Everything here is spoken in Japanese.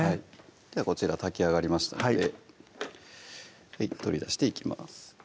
ではこちら炊き上がりましたので取り出していきます